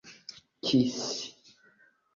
kisi